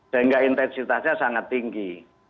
sehingga intensitasnya sangat tinggi